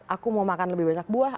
aku mau makan lebih banyak buah